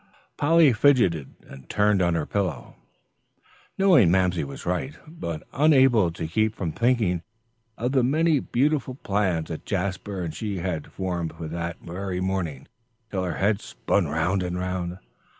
Polly fidgeted and turned on her pillow, knowing Mamsie was right, but unable to keep from thinking of the many beautiful plans that Jasper and she had formed for that very morning, till her head spun round and round.